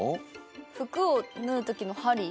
服を縫う時の針